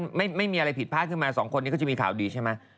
ไม่มีอะไรผิดพลาดขึ้นมาสองคนนี้ก็จะมีข่าวดีใช่ไหม